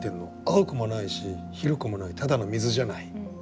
青くもないし広くもないただの水じゃない」。